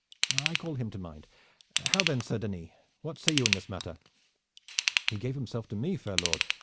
"I call him to mind. How then, Sir Denis? What say you in this matter?" "He gave himself to me, fair lord.